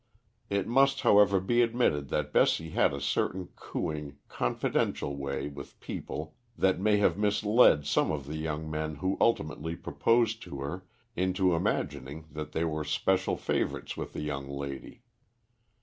It must, however, be admitted that Bessie had a certain cooing, confidential way with people that may have misled some of the young men who ultimately proposed to her into imagining that they were special favourites with the young lady.